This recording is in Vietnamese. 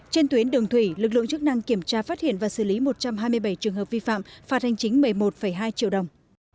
trên tuyến đường thủy lực lượng chức năng kiểm tra phát hiện và xử lý một trăm hai mươi bảy trường hợp vi phạm phạt hành chính một mươi một hai triệu đồng